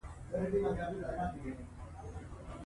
چار مغز د افغانانو د معیشت سرچینه ده.